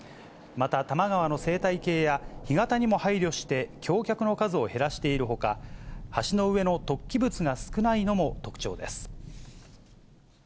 また多摩川の生態系や干潟にも配慮して、橋脚の数を減らしているほか、橋の上の突起物が少ないのも特徴です。